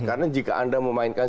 karena jika anda memainkan